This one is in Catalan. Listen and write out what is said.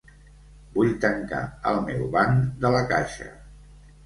Vull tancar el meu banc de La Caixa.